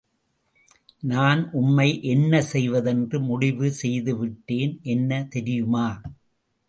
நான் உம்மை என்ன செய்வதென்று முடிவு செய்துவிட்டேன், என்ன தெரியுமா?